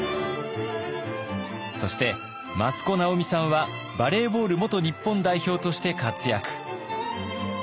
そして益子直美さんはバレーボール元日本代表として活躍。